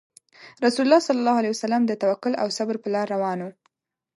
رسول الله صلى الله عليه وسلم د توکل او صبر په لار روان وو.